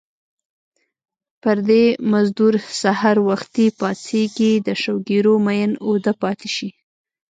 پردی مزدور سحر وختي پاڅېږي د شوګیرو مین اوده پاتې شي